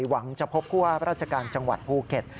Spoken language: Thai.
หวังจะพบผู้ว่าราชการจังหวัดภูเก็ต